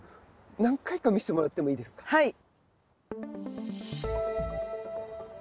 何回か見せてもらってもいいですはい。